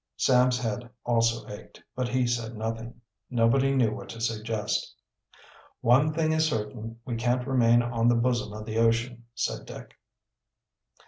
Sam's head also ached, but he said nothing. Nobody knew what to suggest. "One thing is certain; we can't remain out on the bosom of the ocean," said Dick.